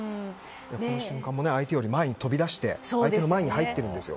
この瞬間も相手よりも前に飛び出して相手より前に入っているんですよ。